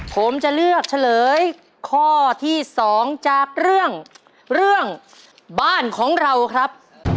ผมจะเลือกเฉลยข้อที่๒จากเรื่องเรื่องบ้านของเราครับ